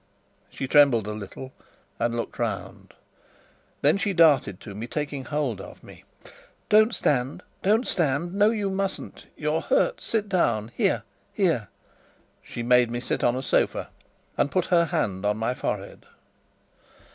She trembled a little, and looked round. Then she darted to me, taking hold of me. "Don't stand, don't stand! No, you mustn't! You're hurt! Sit down here, here!" She made me sit on a sofa, and put her hand on my forehead.